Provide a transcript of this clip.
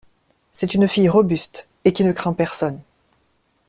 C'est une fille robuste, et qui ne craint personne!